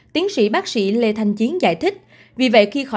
tiến sĩ bác sĩ lê thanh chiến giải thích